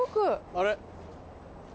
あれ？